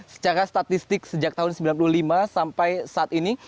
secara statistik sejak tahun sembilan puluh lima sampai saat ini